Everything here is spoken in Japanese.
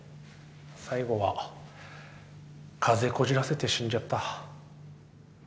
最後は風邪こじらせて死んじゃった。